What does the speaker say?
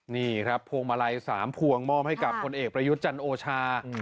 นี่ครับพวงมาลัย๓พวงมอบให้กับคนเอกประยุทธ์จันโอชา